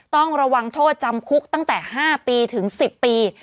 ต้องระวังโทษจำคุกตั้งแต่๕ปีถึง๑๐ปี